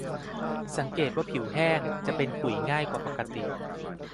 สังเกตเลยว่าผิวจะแห้งเป็นขุยง่ายกว่าปกติ